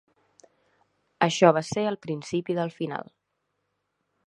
Això va ser el principi del final.